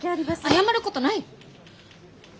謝ることない。